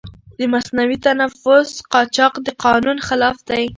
د مصنوعي تنفس قاچاق د قانون خلاف دی.